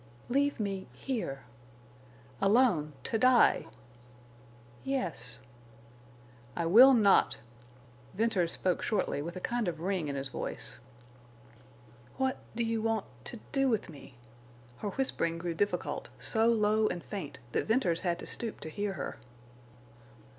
"Leave me—here." "Alone—to die!" "Yes." "I will not." Venters spoke shortly with a kind of ring in his voice. "What—do you want—to do—with me?" Her whispering grew difficult, so low and faint that Venters had to stoop to hear her.